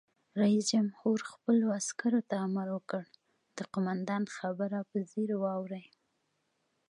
رئیس جمهور خپلو عسکرو ته امر وکړ؛ د قومندان خبره په ځیر واورئ!